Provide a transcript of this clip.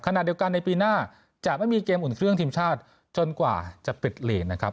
ขณะเดียวกันในปีหน้าจะไม่มีเกมอุ่นเครื่องทีมชาติจนกว่าจะปิดเหรียญนะครับ